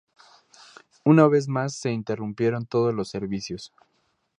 Una vez más se interrumpieron todos los servicios.